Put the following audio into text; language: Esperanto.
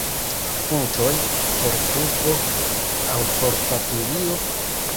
Puntoj por pufo aŭ por papilio?